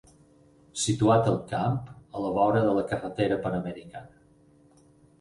Situat al camp a la vora de la carretera Panamericana.